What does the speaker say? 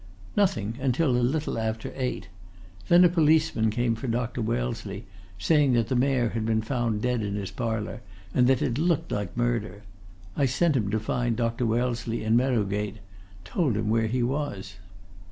"Nothing, until a little after eight. Then a policeman came for Dr. Wellesley, saying that the Mayor had been found dead in his Parlour, and that it looked like murder. I sent him to find Dr. Wellesley in Meadow Gate, told him where he was."